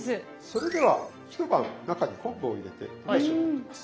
それでは一晩中に昆布を入れてだしをとってます